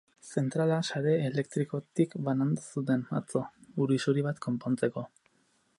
Zentrala sare elektrikotik banandu zuten, atzo, ur isuri bat konpontzeko.